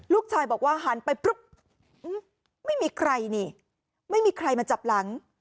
ลูกชายบอกว่าหันไปไม่มีใครมาจับหลัง